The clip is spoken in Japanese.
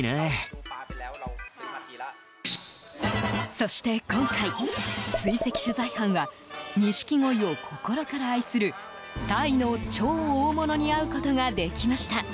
そして今回、追跡取材班はニシキゴイを心から愛するタイの超大物に会うことができました。